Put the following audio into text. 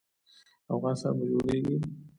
افغانستان به جوړیږي؟